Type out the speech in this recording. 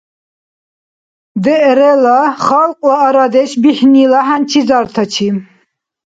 ДР-ла халкьла арадеш бихӏнила хӏянчизартачи